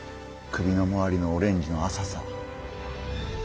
首の回りのオレンジの浅さ。